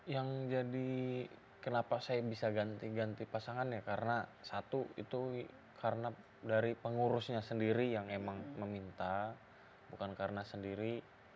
yang jadi kenapa saya bisa ganti ganti pasangan ya karena satu itu karena dari pengurusnya sendiri yang emang meminta bukan karena sendiri